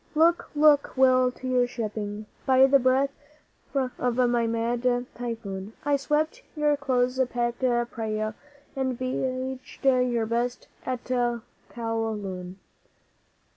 Look look well to your shipping! By the breath of my mad typhoon I swept your close packed Praya and beached your best at Kowloon!